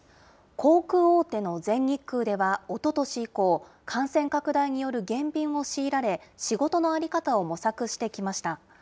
航空大手の全日空ではおととし以降、感染拡大による減便を強いられ、仕事の在り方を模索してきました。